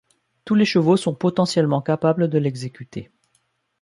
Tous les chevaux sont potentiellement capables de l'exécuter.